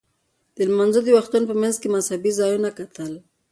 د لمانځه د وختونو په منځ کې مذهبي ځایونه کتل.